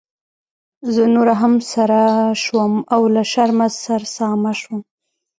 زه نوره هم سره شوم او له شرمه سرسامه شوم.